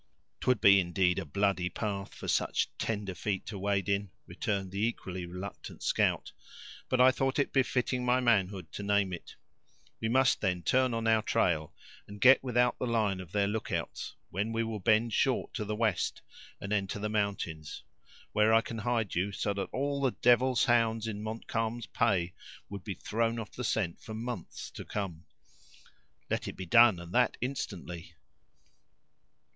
"'Twould be, indeed, a bloody path for such tender feet to wade in," returned the equally reluctant scout; "but I thought it befitting my manhood to name it. We must, then, turn in our trail and get without the line of their lookouts, when we will bend short to the west, and enter the mountains; where I can hide you, so that all the devil's hounds in Montcalm's pay would be thrown off the scent for months to come." "Let it be done, and that instantly."